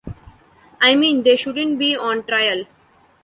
I mean, they shouldn't be on trial.